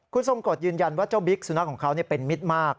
คุณทรงกฎยืนยันว่าเจ้าบิ๊กสุนัขของเขาเป็นมิตรมาก